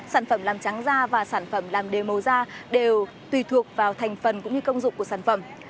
sản phẩm làm trắng da và sản phẩm làm đều màu da đều tùy thuộc vào thành phần cũng như công dụng của sản phẩm